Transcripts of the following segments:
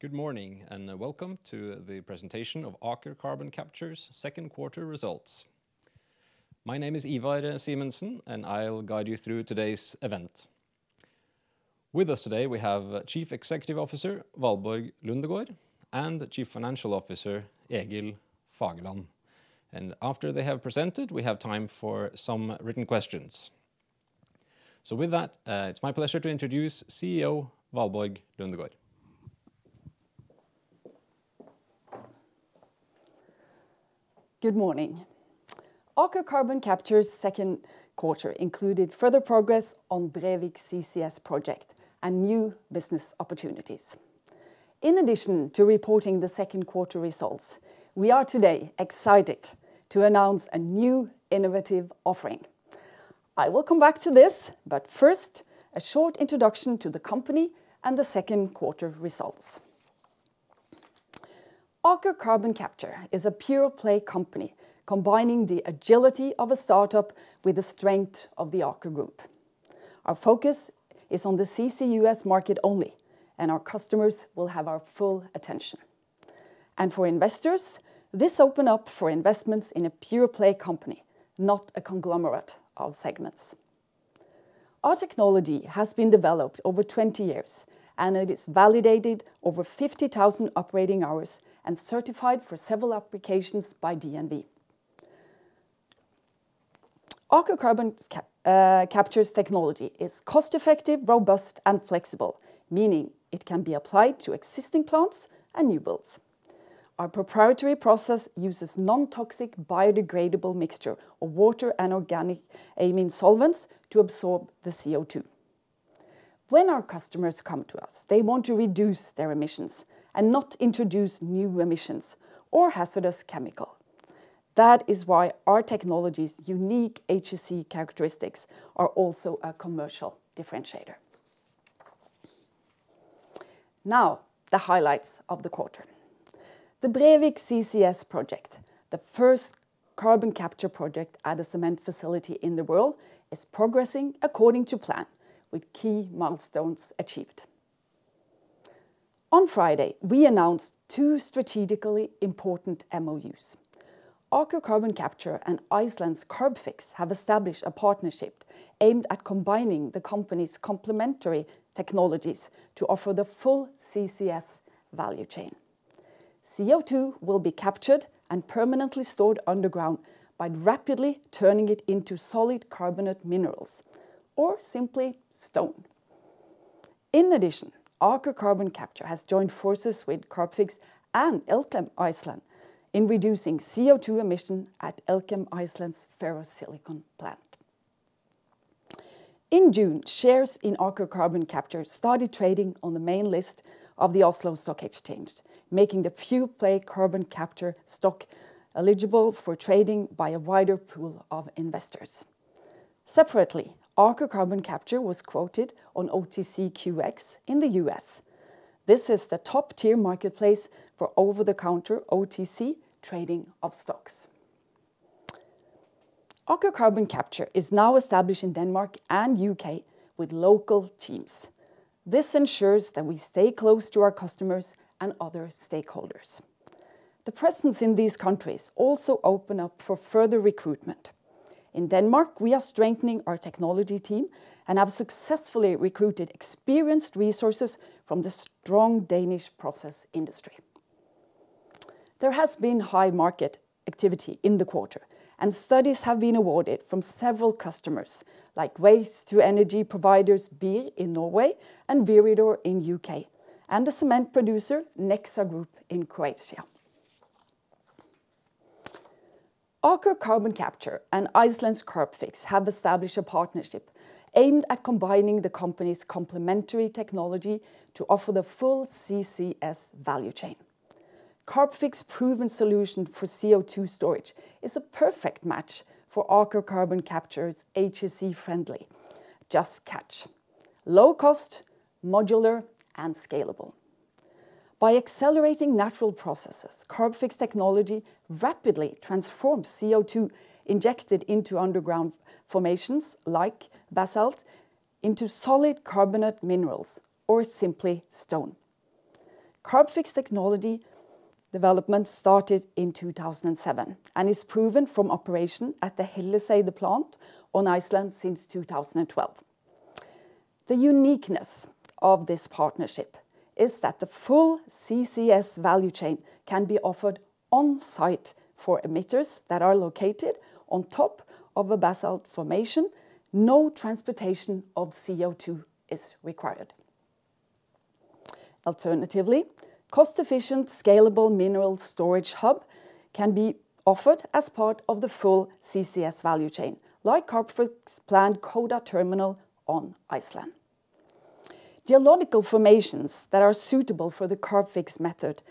Good morning, welcome to the presentation of Aker Carbon Capture's second quarter results. My name is Ivar Simensen, and I will guide you through today's event. With us today, we have Chief Executive Officer, Valborg Lundegaard, and the Chief Financial Officer, Egil Fagerland. After they have presented, we have time for some written questions. With that, it's my pleasure to introduce CEO Valborg Lundegaard. Good morning. Aker Carbon Capture's second quarter included further progress on Brevik CCS project and new business opportunities. In addition to reporting the second quarter results, we are today excited to announce a new innovative offering. I will come back to this, but first, a short introduction to the company and the second quarter results. Aker Carbon Capture is a pure-play company combining the agility of a startup with the strength of the Aker group. Our focus is on the CCUS market only, and our customers will have our full attention. For investors, this open up for investments in a pure-play company, not a conglomerate of segments. Our technology has been developed over 20 years, and it is validated over 50,000 operating hours and certified for several applications by DNV. Aker Carbon Capture's technology is cost-effective, robust, and flexible, meaning it can be applied to existing plants and new builds. Our proprietary process uses non-toxic, biodegradable mixture of water and organic amine solvents to absorb the CO2. When our customers come to us, they want to reduce their emissions and not introduce new emissions or hazardous chemical. That is why our technology's unique HSE characteristics are also a commercial differentiator. The highlights of the quarter. The Brevik CCS project, the first carbon capture project at a cement facility in the world, is progressing according to plan with key milestones achieved. On Friday, we announced two strategically important MOUs. Aker Carbon Capture and Iceland's Carbfix have established a partnership aimed at combining the company's complementary technologies to offer the full CCS value chain. CO2 will be captured and permanently stored underground by rapidly turning it into solid carbonate minerals or simply stone. In addition, Aker Carbon Capture has joined forces with Carbfix and Elkem Iceland in reducing CO2 emission at Elkem Iceland's ferrosilicon plant. In June, shares in Aker Carbon Capture started trading on the main list of the Oslo Stock Exchange, making the pure-play carbon capture stock eligible for trading by a wider pool of investors. Separately, Aker Carbon Capture was quoted on OTCQX in the U.S. This is the top-tier marketplace for over-the-counter OTC trading of stocks. Aker Carbon Capture is now established in Denmark and U.K. with local teams. This ensures that we stay close to our customers and other stakeholders. The presence in these countries also open up for further recruitment. In Denmark, we are strengthening our technology team and have successfully recruited experienced resources from the strong Danish process industry. There has been high market activity in the quarter, and studies have been awarded from several customers, like waste-to-energy providers BIR in Norway and Viridor in U.K., and the cement producer Nexe Group in Croatia. Aker Carbon Capture and Iceland's Carbfix have established a partnership aimed at combining the company's complementary technology to offer the full CCS value chain. Carbfix's proven solution for CO2 storage is a perfect match for Aker Carbon Capture's HSE-friendly Just Catch. Low cost, modular, and scalable. By accelerating natural processes, Carbfix technology rapidly transforms CO2 injected into underground formations like basalt into solid carbonate minerals, or simply stone. Carbfix technology development started in 2007 and is proven from operation at the Hellisheiði plant on Iceland since 2012. The uniqueness of this partnership is that the full CCS value chain can be offered on-site for emitters that are located on top of a basalt formation. No transportation of CO2 is required. Alternatively, cost-efficient, scalable mineral storage hub can be offered as part of the full CCS value chain, like Carbfix plant Coda Terminal on Iceland. Geological formations that are suitable for the Carbfix method,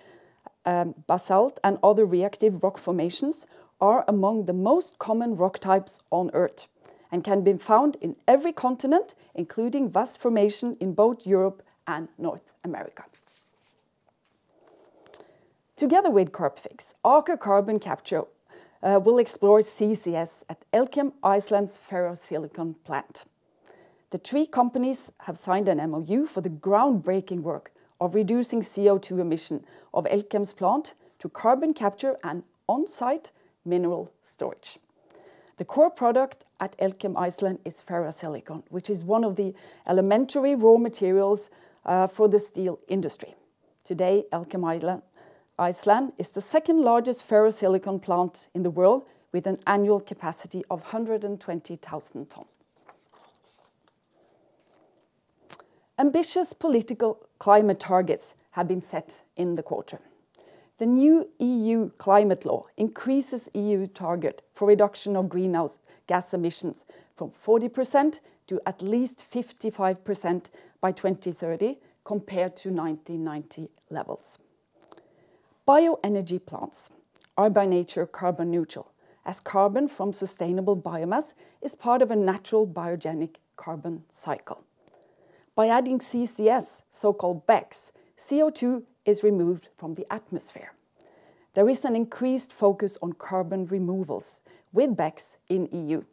basalt and other reactive rock formations, are among the most common rock types on Earth and can be found in every continent, including vast formation in both Europe and North America. Together with Carbfix, Aker Carbon Capture will explore CCS at Elkem Iceland's ferrosilicon plant. The three companies have signed an MOU for the groundbreaking work of reducing CO2 emission of Elkem's plant through carbon capture and on-site mineral storage. The core product at Elkem Iceland is ferrosilicon, which is one of the elementary raw materials for the steel industry. Today, Elkem Iceland is the second-largest ferrosilicon plant in the world with an annual capacity of 120,000 ton. Ambitious political climate targets have been set in the quarter. The new E.U. climate law increases E.U. target for reduction of greenhouse gas emissions from 40% to at least 55% by 2030 compared to 1990 levels. Bioenergy plants are by nature carbon neutral, as carbon from sustainable biomass is part of a natural biogenic carbon cycle. By adding CCS, so-called BECCS, CO2 is removed from the atmosphere. There is an increased focus on carbon removals with BECCS in E.U.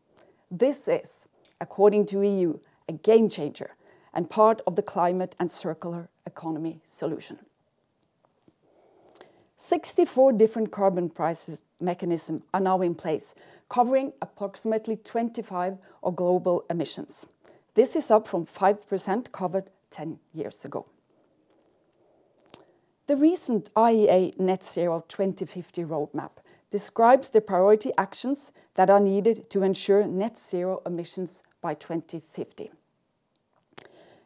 This is, according to E.U., a game changer and part of the climate and circular economy solution. 64 different carbon price mechanisms are now in place, covering approximately 25% of global emissions. This is up from 5% covered 10 years ago. The recent IEA Net Zero by 2050 roadmap describes the priority actions that are needed to ensure net zero emissions by 2050.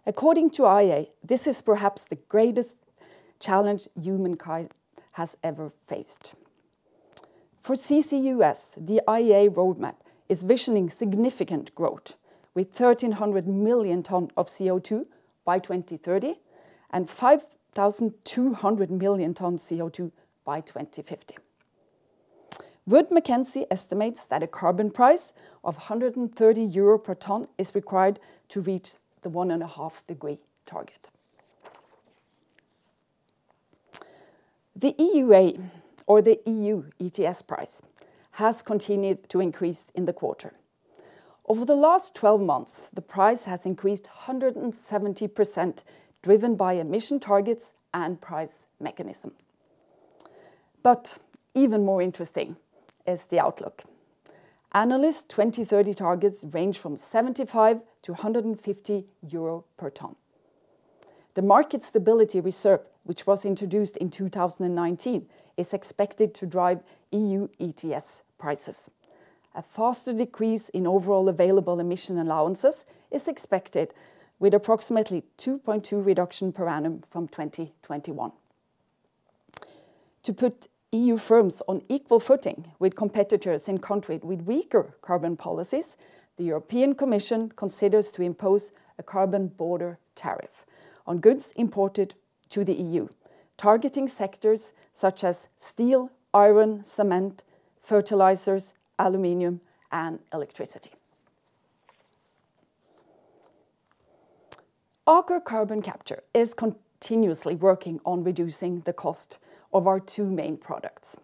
According to IEA, this is perhaps the greatest challenge humankind has ever faced. For CCUS, the IEA roadmap is visioning significant growth with 1,300 million tons of CO2 by 2030 and 5,200 million tons of CO2 by 2050. Wood Mackenzie estimates that a carbon price of 130 euro per ton is required to reach the one and a half degree target. The EUA, or the E.U. ETS price, has continued to increase in the quarter. Over the last 12 months, the price has increased 170%, driven by emission targets and price mechanism. Even more interesting is the outlook. Analysts' 2030 targets range from 75-150 euro per ton. The Market Stability Reserve, which was introduced in 2019, is expected to drive E.U. ETS prices. A faster decrease in overall available emission allowances is expected with approximately 2.2 reduction per annum from 2021. To put E.U. firms on equal footing with competitors in countries with weaker carbon policies, the European Commission considers to impose a carbon border tariff on goods imported to the E.U., targeting sectors such as steel, iron, cement, fertilizers, aluminum, and electricity. Aker Carbon Capture is continuously working on reducing the cost of our two main products: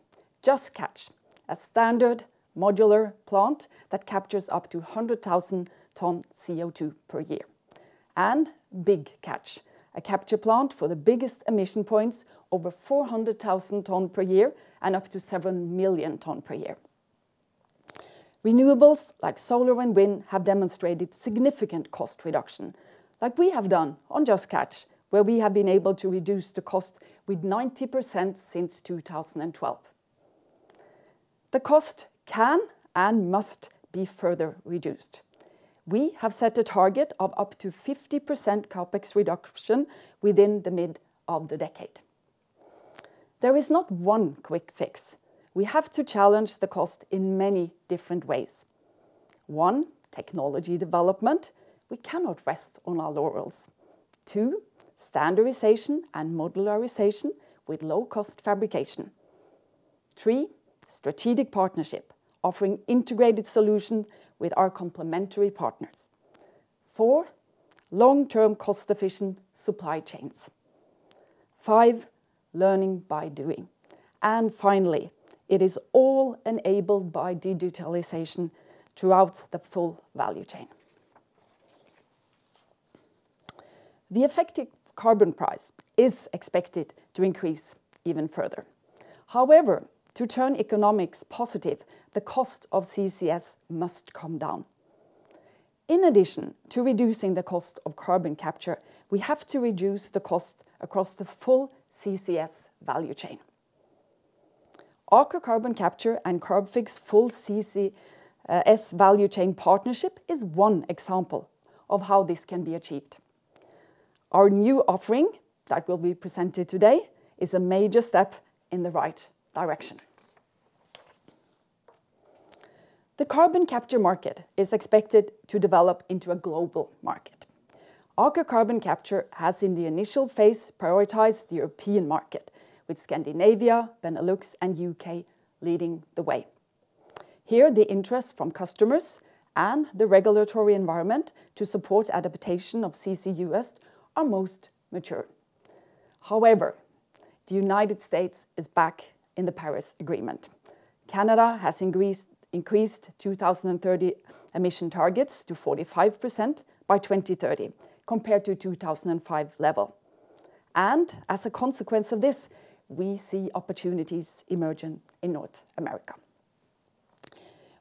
Just Catch, a standard modular plant that captures up to 100,000 tons CO2 per year, and Big Catch, a capture plant for the biggest emission points over 400,000 tons per year and up to 7 million tons per year. Renewables like solar and wind have demonstrated significant cost reduction, like we have done on Just Catch, where we have been able to reduce the cost with 90% since 2012. The cost can and must be further reduced. We have set a target of up to 50% CapEx reduction within the mid of the decade. There is not one quick fix. We have to challenge the cost in many different ways. One, technology development. We cannot rest on our laurels. Two, standardization and modularization with low-cost fabrication. Three, strategic partnership, offering integrated solutions with our complementary partners. Four, long-term cost-efficient supply chains. Five, learning by doing. Finally, it is all enabled by digitalization throughout the full value chain. The effective carbon price is expected to increase even further. However, to turn economics positive, the cost of CCS must come down. In addition to reducing the cost of carbon capture, we have to reduce the cost across the full CCS value chain. Aker Carbon Capture and Carbfix full CCS value chain partnership is one example of how this can be achieved. Our new offering that will be presented today is a major step in the right direction. The carbon capture market is expected to develop into a global market. Aker Carbon Capture has, in the initial phase, prioritized the European market, with Scandinavia, Benelux, and U.K. leading the way. Here, the interest from customers and the regulatory environment to support adaptation of CCUS are most mature. However, the United States is back in the Paris Agreement. Canada has increased 2030 emission targets to 45% by 2030, compared to 2005 level. As a consequence of this, we see opportunities emerging in North America.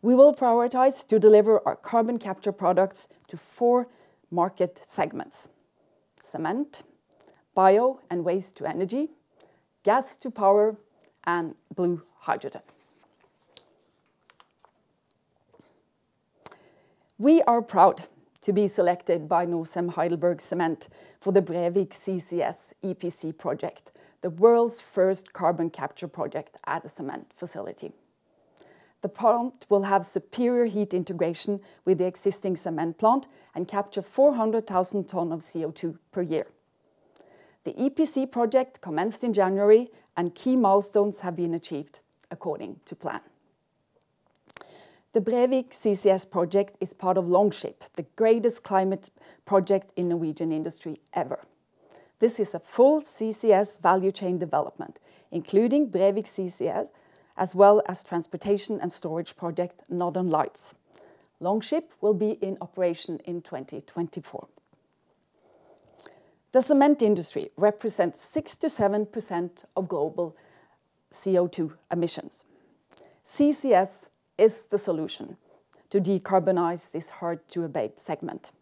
We will prioritize to deliver our carbon capture products to four market segments: cement, bio and waste to energy, gas to power, and blue hydrogen. We are proud to be selected by Norcem HeidelbergCement for the Brevik CCS EPC project, the world's first carbon capture project at a cement facility. The plant will have superior heat integration with the existing cement plant and capture 400,000 tons of CO2 per year. The EPC project commenced in January, and key milestones have been achieved according to plan. The Brevik CCS project is part of Longship, the greatest climate project in Norwegian industry ever. This is a full CCS value chain development, including Brevik CCS, as well as transportation and storage project Northern Lights. Longship will be in operation in 2024. The cement industry represents 67% of global CO2 emissions. CCS is the solution to decarbonize this hard-to-abate segment.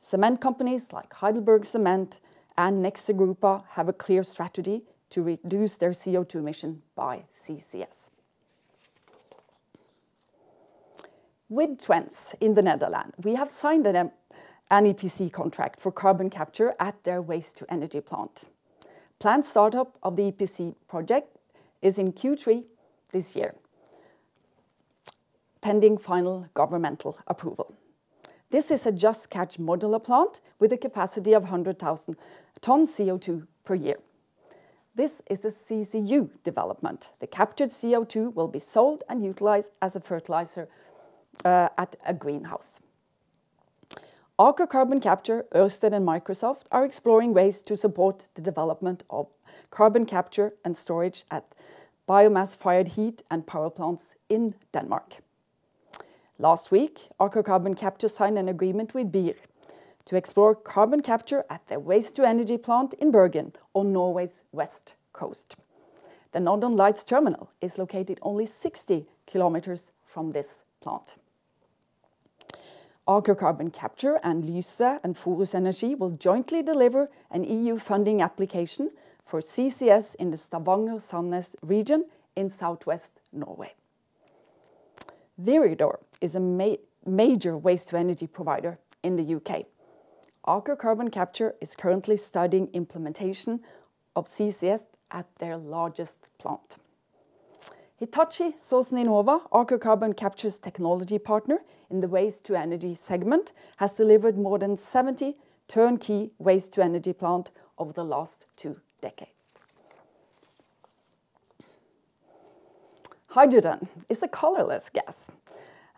Cement companies like HeidelbergCement and Nexe Grupa have a clear strategy to reduce their CO2 emission by CCS. With Twence in the Netherlands, we have signed an EPC contract for carbon capture at their waste-to-energy plant. Planned startup of the EPC project is in Q3 this year, pending final governmental approval. This is a Just Catch modular plant with a capacity of 100,000 ton CO2 per year. This is a CCU development. The captured CO2 will be sold and utilized as a fertilizer at a greenhouse. Aker Carbon Capture, Ørsted, and Microsoft are exploring ways to support the development of carbon capture and storage at biomass-fired heat and power plants in Denmark. Last week, Aker Carbon Capture signed an agreement with BIR to explore carbon capture at their waste-to-energy plant in Bergen on Norway's west coast. The Northern Lights terminal is located only 60 km from this plant. Aker Carbon Capture and Lyse and Forus Energi will jointly deliver an E.U. funding application for CCS in the Stavanger-Sandnes region in Southwest Norway. Viridor is a major waste-to-energy provider in the U.K. Aker Carbon Capture is currently studying implementation of CCS at their largest plant. Hitachi Zosen Inova, Aker Carbon Capture's technology partner in the waste-to-energy segment, has delivered more than 70 turn-key waste-to-energy plant over the last two decades. Hydrogen is a colorless gas,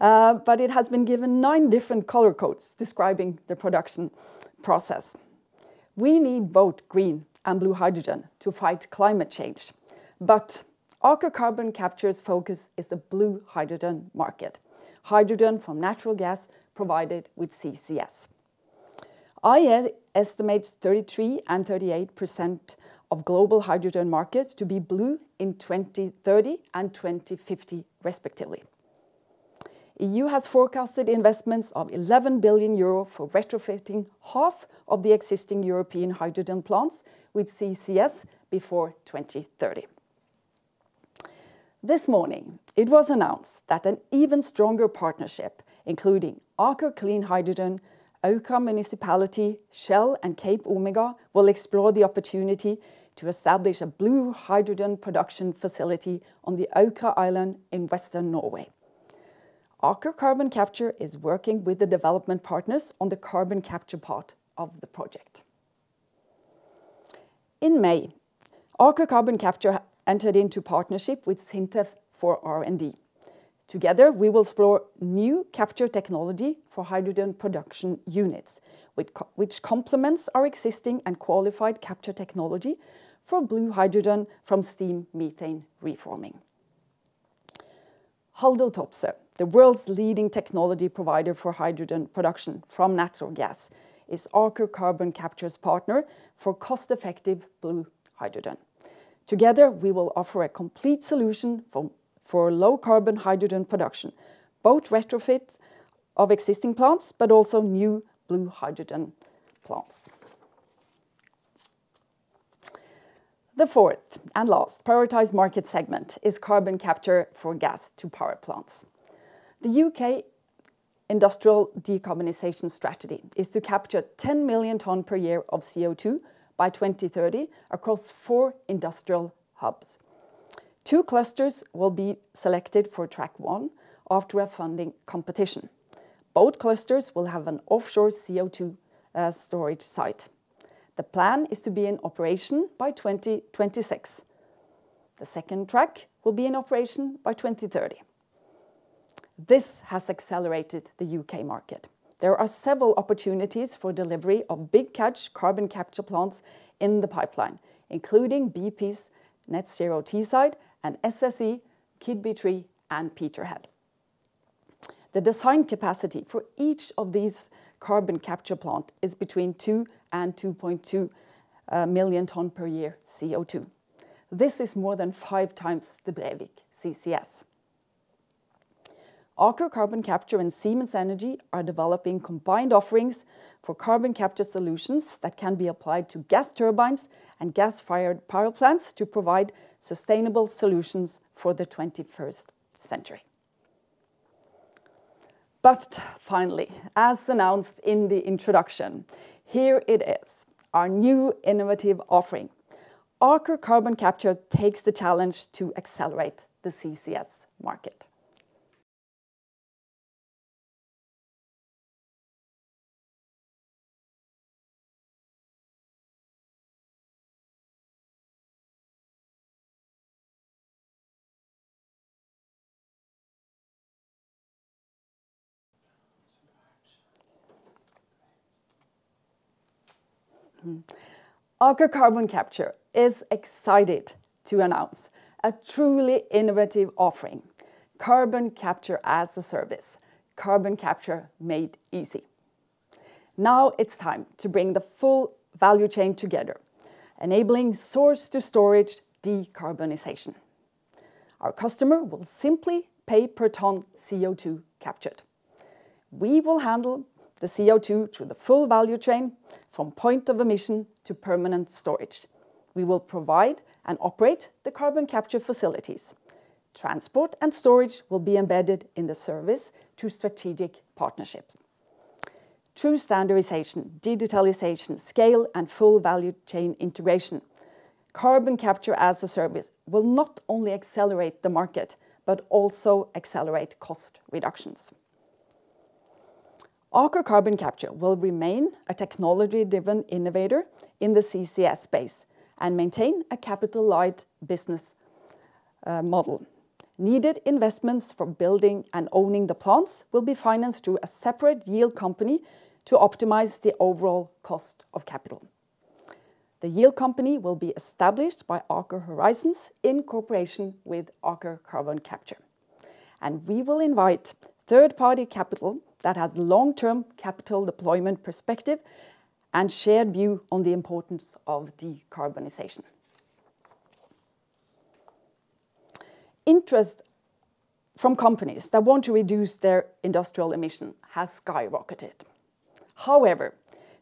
but it has been given nine different color codes describing the production process. We need both green and blue hydrogen to fight climate change, but Aker Carbon Capture's focus is the blue hydrogen market, hydrogen from natural gas provided with CCS. IEA estimates 33% and 38% of global hydrogen market to be blue in 2030 and 2050, respectively. E.U. has forecasted investments of 11 billion euro for retrofitting half of the existing European hydrogen plants with CCS before 2030. This morning, it was announced that an even stronger partnership, including Aker Clean Hydrogen, Aukra Municipality, Shell, and CapeOmega, will explore the opportunity to establish a blue hydrogen production facility on the Aukra island in western Norway. Aker Carbon Capture is working with the development partners on the carbon capture part of the project. In May, Aker Carbon Capture entered into partnership with SINTEF for R&D. Together, we will explore new capture technology for hydrogen production units, which complements our existing and qualified capture technology for blue hydrogen from steam methane reforming. Haldor Topsøe, the world's leading technology provider for hydrogen production from natural gas, is Aker Carbon Capture's partner for cost-effective blue hydrogen. Together, we will offer a complete solution for low-carbon hydrogen production, both retrofit of existing plants but also new blue hydrogen plants. The fourth and last prioritized market segment is carbon capture for gas-to-power plants. The U.K. industrial decarbonization strategy is to capture 10 million ton per year of CO2 by 2030 across four industrial hubs. Two clusters will be selected for track one after a funding competition. Both clusters will have an offshore CO2 storage site. The plan is to be in operation by 2026. The second track will be in operation by 2030. This has accelerated the U.K. market. There are several opportunities for delivery of Big Catch carbon capture plants in the pipeline, including BP's Net Zero Teesside and SSE Keadby 3 and Peterhead. The design capacity for each of these carbon capture plant is between 2 million and 2.2 million tons per year CO2. This is more than 5x the Brevik CCS. Aker Carbon Capture and Siemens Energy are developing combined offerings for carbon capture solutions that can be applied to gas turbines and gas-fired power plants to provide sustainable solutions for the 21st century. Finally, as announced in the introduction, here it is, our new innovative offering. Aker Carbon Capture takes the challenge to accelerate the CCS market. Aker Carbon Capture is excited to announce a truly innovative offering, carbon capture as a service, carbon capture made easy. Now it's time to bring the full value chain together, enabling source-to-storage decarbonization. Our customer will simply pay per ton CO2 captured. We will handle the CO2 through the full value chain, from point of emission to permanent storage. We will provide and operate the carbon capture facilities. Transport and storage will be embedded in the service through strategic partnerships. Through standardization, digitalization, scale, and full value chain integration, carbon capture as a service will not only accelerate the market, but also accelerate cost reductions. Aker Carbon Capture will remain a technology-driven innovator in the CCS space and maintain a capital-light business model. Needed investments for building and owning the plants will be financed through a separate yield company to optimize the overall cost of capital. The yield company will be established by Aker Horizons in cooperation with Aker Carbon Capture, and we will invite third-party capital that has long-term capital deployment perspective and shared view on the importance of decarbonization. Interest from companies that want to reduce their industrial emission has skyrocketed.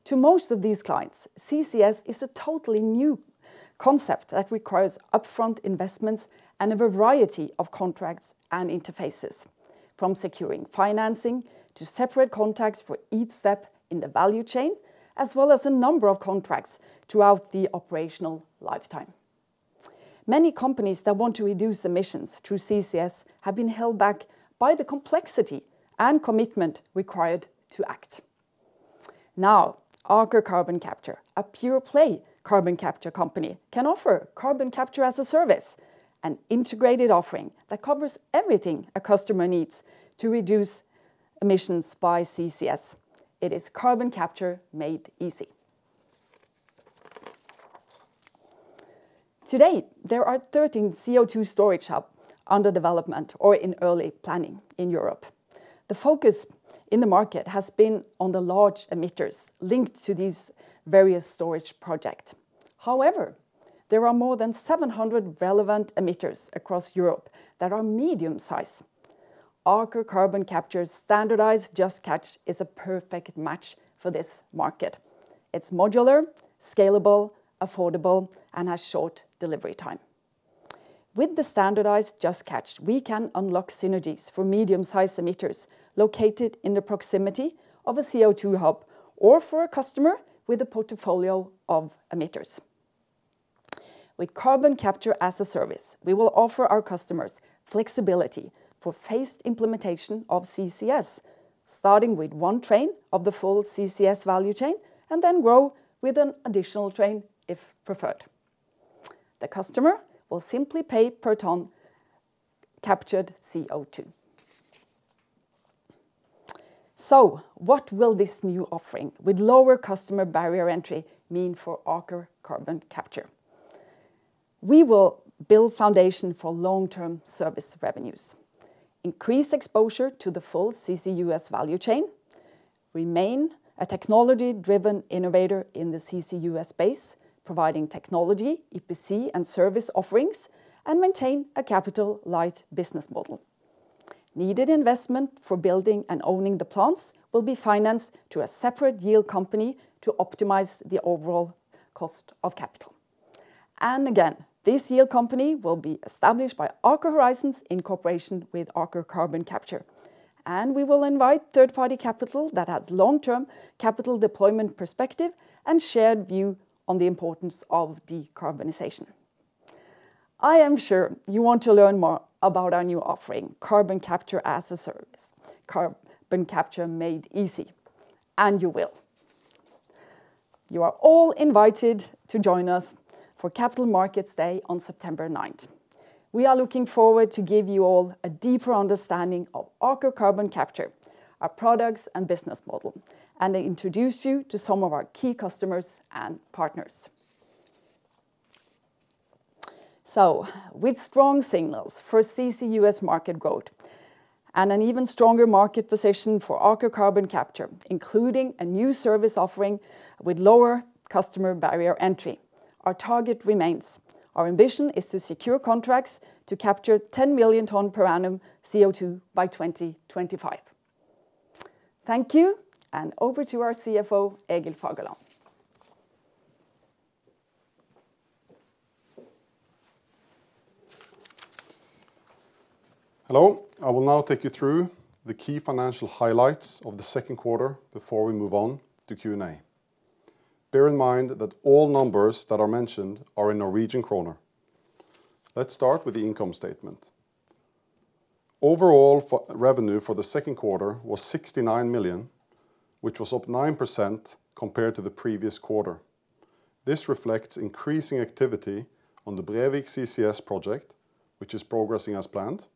To most of these clients, CCS is a totally new concept that requires upfront investments and a variety of contracts and interfaces, from securing financing, to separate contracts for each step in the value chain, as well as a number of contracts throughout the operational lifetime. Many companies that want to reduce emissions through CCS have been held back by the complexity and commitment required to act. Now, Aker Carbon Capture, a pure-play carbon capture company, can offer carbon capture as a service, an integrated offering that covers everything a customer needs to reduce emissions by CCS. It is carbon capture made easy. Today, there are 13 CO2 storage hubs under development or in early planning in Europe. The focus in the market has been on the large emitters linked to these various storage projects. There are more than 700 relevant emitters across Europe that are medium-sized. Aker Carbon Capture's standardized Just Catch is a perfect match for this market. It's modular, scalable, affordable, and has short delivery time. With the standardized Just Catch, we can unlock synergies for medium-sized emitters located in the proximity of a CO2 hub, or for a customer with a portfolio of emitters. With carbon capture as a service, we will offer our customers flexibility for phased implementation of CCS, starting with one train of the full CCS value chain, and then grow with an additional train if preferred. The customer will simply pay per ton captured CO2. What will this new offering with lower customer barrier entry mean for Aker Carbon Capture? We will build foundation for long-term service revenues, increase exposure to the full CCUS value chain, remain a technology-driven innovator in the CCUS space, providing technology, EPC, and service offerings, and maintain a capital-light business model. Needed investment for building and owning the plants will be financed through a separate yield company to optimize the overall cost of capital. Again, this yield company will be established by Aker Horizons in cooperation with Aker Carbon Capture, and we will invite third-party capital that has long-term capital deployment perspective and shared view on the importance of decarbonization. I am sure you want to learn more about our new offering, carbon capture as a service, carbon capture made easy, and you will. You are all invited to join us for Capital Markets Day on September 9th. We are looking forward to give you all a deeper understanding of Aker Carbon Capture, our products and business model, and introduce you to some of our key customers and partners. With strong signals for CCUS market growth and an even stronger market position for Aker Carbon Capture, including a new service offering with lower customer barrier entry, our target remains. Our ambition is to secure contracts to capture 10 million ton per annum CO2 by 2025. Thank you, and over to our CFO, Egil Fagerland. Hello. I will now take you through the key financial highlights of the second quarter before we move on to Q&A. Bear in mind that all numbers that are mentioned are in Norwegian kroner. Let's start with the income statement. Overall revenue for the second quarter was 69 million, which was up 9% compared to the previous quarter. This reflects increasing activity on the Brevik CCS project, which is progressing as planned.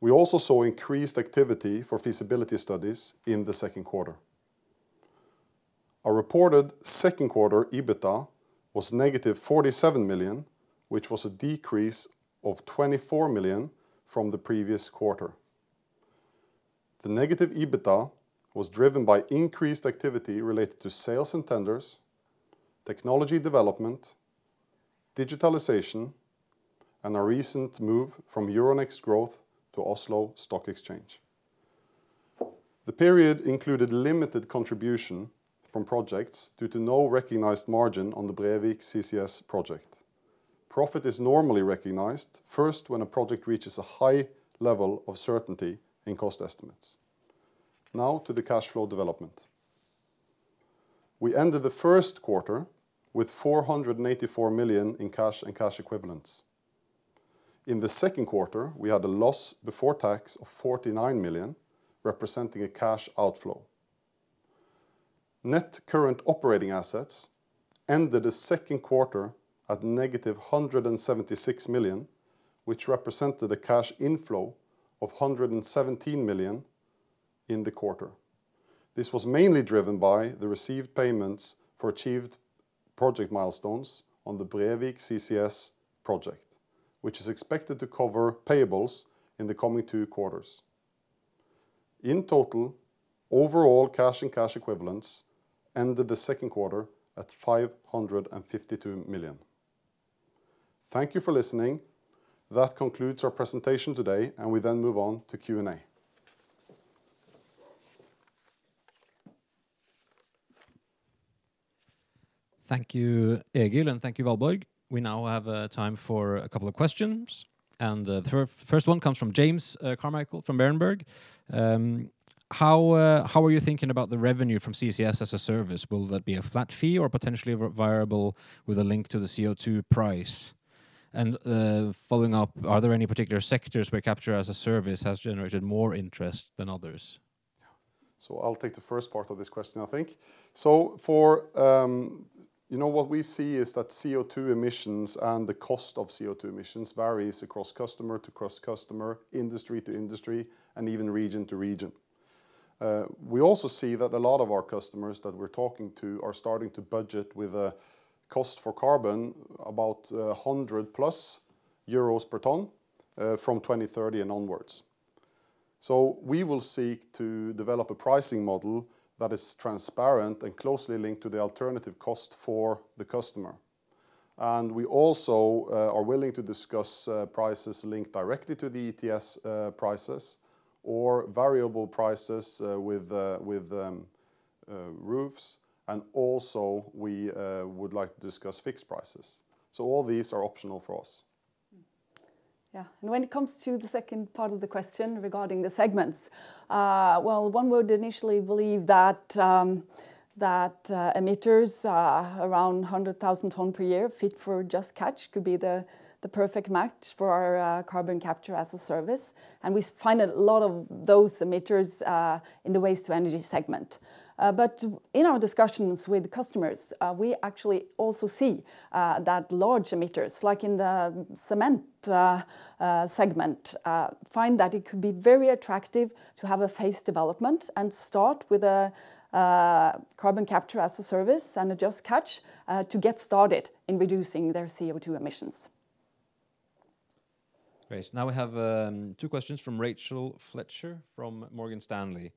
We also saw increased activity for feasibility studies in the second quarter. Our reported second quarter EBITDA was -47 million, which was a decrease of 24 million from the previous quarter. The negative EBITDA was driven by increased activity related to sales and tenders, technology development, digitalization, and a recent move from Euronext Growth to Oslo Stock Exchange. The period included limited contribution from projects due to no recognized margin on the Brevik CCS project. Profit is normally recognized first when a project reaches a high level of certainty in cost estimates. To the cash flow development. We ended the first quarter with 484 million in cash and cash equivalents. In the second quarter, we had a loss before tax of 49 million, representing a cash outflow. Net current operating assets ended the second quarter at -176 million, which represented a cash inflow of 117 million in the quarter. This was mainly driven by the received payments for achieved project milestones on the Brevik CCS project, which is expected to cover payables in the coming two quarters. In total, overall cash and cash equivalents ended the second quarter at 552 million. Thank you for listening. That concludes our presentation today, and we then move on to Q&A. Thank you, Egil, and thank you, Valborg. We now have time for a couple of questions, and the first one comes from James Carmichael from Berenberg. How are you thinking about the revenue from CCS as a service? Will that be a flat fee or potentially variable with a link to the CO2 price? Following up, are there any particular sectors where capture as a service has generated more interest than others? I'll take the first part of this question, I think. What we see is that CO2 emissions and the cost of CO2 emissions varies across customer to customer, industry to industry, and even region to region. We also see that a lot of our customers that we're talking to are starting to budget with a cost for carbon about 100+ euros per ton from 2030 and onwards. We will seek to develop a pricing model that is transparent and closely linked to the alternative cost for the customer. We also are willing to discuss prices linked directly to the ETS prices or variable prices with roofs, and also we would like to discuss fixed prices. All these are optional for us. Yeah. When it comes to the second part of the question regarding the segments, well, one would initially believe that emitters around 100,000 ton per year fit for Just Catch could be the perfect match for our carbon capture as a service, and we find a lot of those emitters in the waste-to-energy segment. In our discussions with customers, we actually also see that large emitters, like in the cement segment, find that it can be very attractive to have a phased development and start with a carbon capture as a service and a Just Catch to get started in reducing their CO2 emissions. Great. We have two questions from Rachel Fletcher from Morgan Stanley.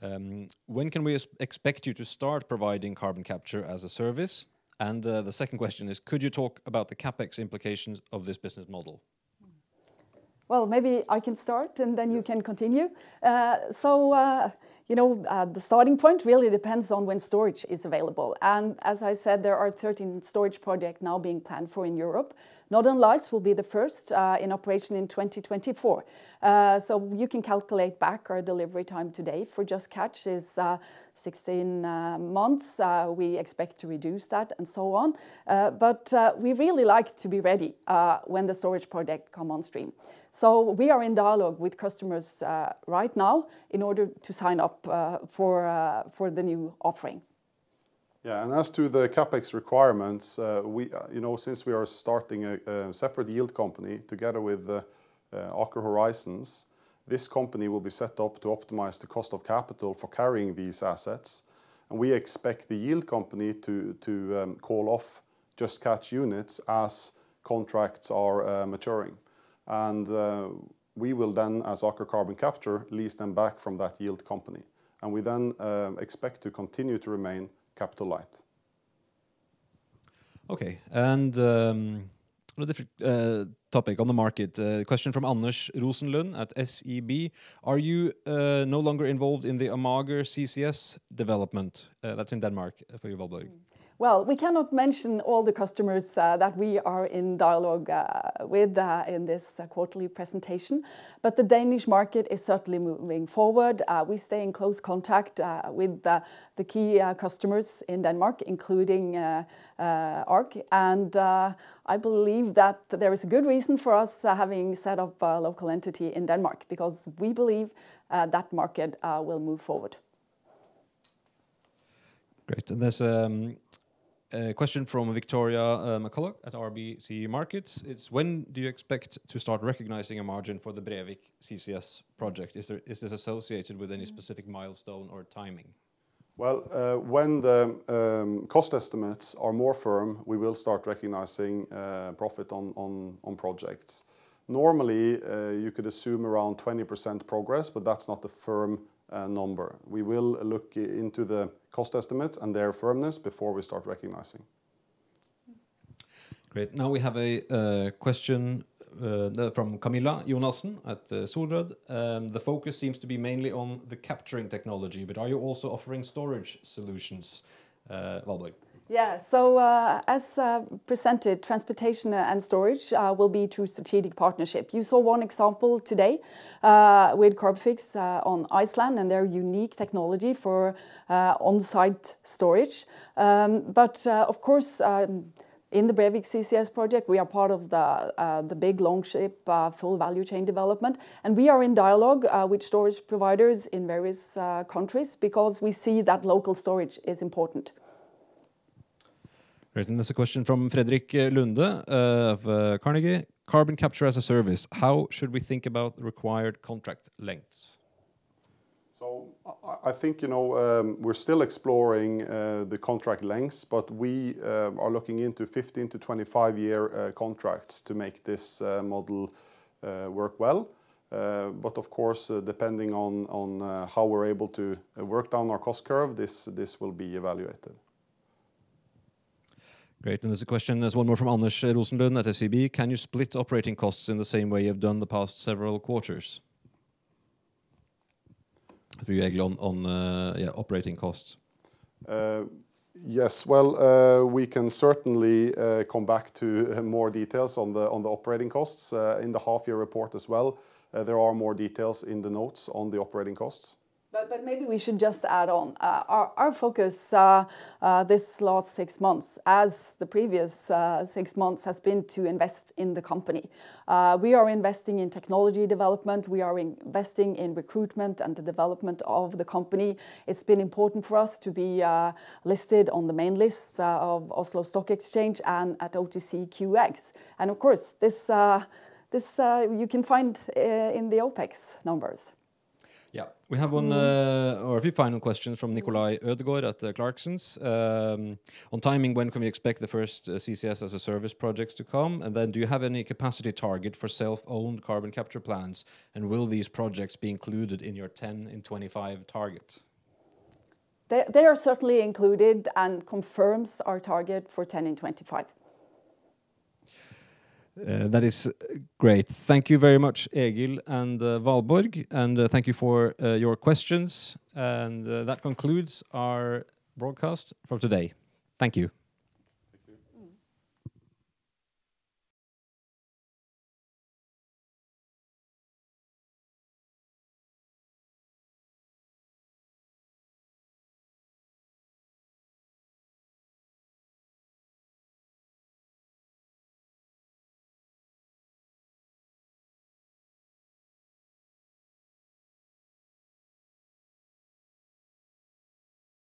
When can we expect you to start providing carbon capture as a service? The second question is, could you talk about the CapEx implications of this business model? Well, maybe I can start, and then you can continue. The starting point really depends on when storage is available. As I said, there are 13 storage projects now being planned for in Europe. Northern Lights will be the first in operation in 2024. You can calculate back our delivery time today for Just Catch is 16 months. We expect to reduce that and so on. We really like to be ready when the storage projects come on stream. We are in dialogue with customers right now in order to sign up for the new offering. Yeah, as to the CapEx requirements, since we are starting a separate yield company together with Aker Horizons, this company will be set up to optimize the cost of capital for carrying these assets. We expect the yield company to call off Just Catch units as contracts are maturing. We will then, as Aker Carbon Capture, lease them back from that yield company. We then expect to continue to remain capital light. Okay, another topic on the market, a question from Anders Rosenlund at SEB, are you no longer involved in the Amager CCS development that's in Denmark for you, Valborg? Well, we cannot mention all the customers that we are in dialogue with in this quarterly presentation, but the Danish market is certainly moving forward. We stay in close contact with the key customers in Denmark, including ARC, and I believe that there is a good reason for us having set up a local entity in Denmark because we believe that market will move forward. Great. There's a question from Victoria McCulloch at RBC Markets. It's when do you expect to start recognizing a margin for the Brevik CCS project? Is this associated with any specific milestone or timing? Well, when the cost estimates are more firm, we will start recognizing profit on projects. Normally, you could assume around 20% progress, but that's not a firm number. We will look into the cost estimates and their firmness before we start recognizing. Great. Now we have a question from Camilla Jonassen at Sordal. The focus seems to be mainly on the capturing technology, but are you also offering storage solutions, Valborg? As presented, transportation and storage will be through a strategic partnership. You saw one example today with Carbfix on Iceland and their unique technology for on-site storage. Of course, in the Brevik CCS project, we are part of the big Longship full value chain development, and we are in dialogue with storage providers in various countries because we see that local storage is important. Great. The next question from Frederik Lunde of Carnegie. Carbon capture as a service, how should we think about the required contract lengths? I think we're still exploring the contract lengths, but we are looking into 15-25 year contracts to make this model work well. Of course, depending on how we're able to work down our cost curve, this will be evaluated. Great. There is a question, there is one more from Anders Rosenlund at SEB. Can you split operating costs in the same way you have done the past several quarters? To you, Egil, on operating costs. Yes. Well, we can certainly come back to more details on the operating costs in the half year report as well. There are more details in the notes on the operating costs. Maybe we should just add on. Our focus these last six months, as the previous six months, has been to invest in the company. We are investing in technology development. We are investing in recruitment and the development of the company. It's been important for us to be listed on the main list of Oslo Stock Exchange and at OTCQX. Of course, this you can find in the OpEx numbers. Yeah. We have one, a few final questions from Nikolai Ødegaard at Clarkson's. On timing, when can we expect the first CCS as a service project to come? Do you have any capacity target for self-owned carbon capture plans, and will these projects be included in your 10 and 2025 targets? They are certainly included and confirms our target for 2010 and 2025. That is great. Thank you very much, Egil and Valborg, and thank you for your questions. That concludes our broadcast for today. Thank you. Thank you.